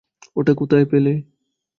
ওটা কোথায় পেলে?